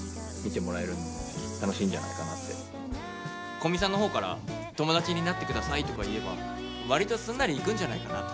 古見さんの方から「友達になって下さい」とか言えば割とすんなりいくんじゃないかなと。